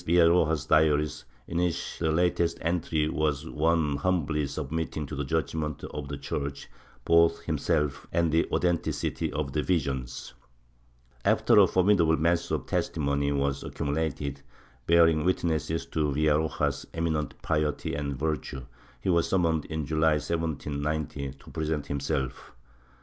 78 MYSTICISM [Book VIII Villaroja's diaries, in which the latest entry was one humbly sub mitting to the judgement of the Church both himself and the authenticity of the visions. After a formidable mass of testimony was accumulated, bearing witness to Villaroja's eminent piety and virtue, he was summoned, in July 1790, to present himself.